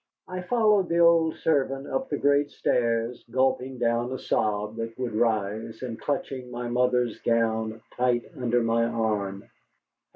I followed the old servant up the great stairs, gulping down a sob that would rise, and clutching my mother's gown tight under my arm.